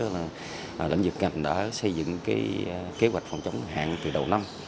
là lãnh dực ngành đã xây dựng kế hoạch phòng chống hạn từ đầu năm